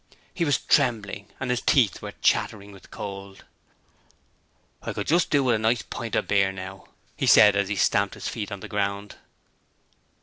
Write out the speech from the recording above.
He was trembling, and his teeth were chattering with cold. 'I could just do with a nice pint of beer, now,' he said as he stamped his feet on the pound.